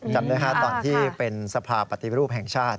จำด้วยครับตอนที่เป็นสภาพปฏิรูปแห่งชาติ